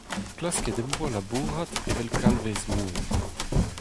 Klasket em boa labourat evel kalvez-mor.